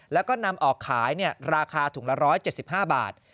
แล้วก็นำออกขายราคาถุงละ๑๗๕บาท